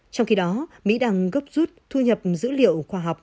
trong khi đó mỹ đang gấp rút thu nhập dữ liệu khoa học